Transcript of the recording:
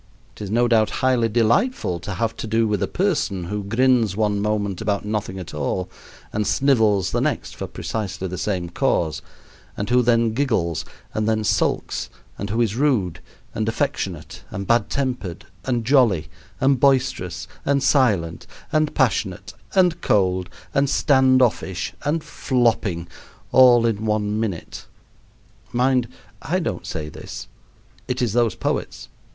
It is no doubt highly delightful to have to do with a person who grins one moment about nothing at all, and snivels the next for precisely the same cause, and who then giggles, and then sulks, and who is rude, and affectionate, and bad tempered, and jolly, and boisterous, and silent, and passionate, and cold, and stand offish, and flopping, all in one minute (mind, I don't say this. It is those poets.